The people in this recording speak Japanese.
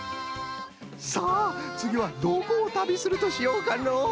さあつぎはどこを旅するとしようかのう？